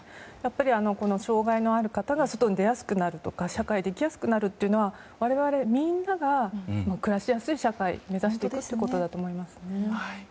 障害のある方が外に出やすくなるとか社会で生きやすくなるというのは我々みんなが暮らしやすい社会を目指していくことだと思います。